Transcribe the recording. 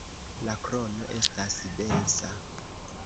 La krono estas densa.